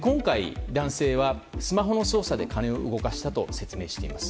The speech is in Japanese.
今回、男性はスマホの操作で金を動かしたと説明しています。